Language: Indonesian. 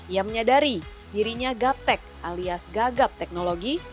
ia menyadari dirinya gaptek alias gagap teknologi